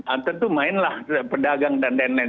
anten tuh main lah pedagang dan lain lain